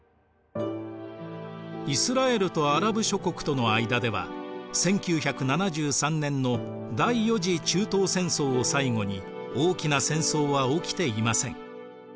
イスラエルとアラブ諸国との間では１９７３年の第４次中東戦争を最後に大きな戦争は起きていません。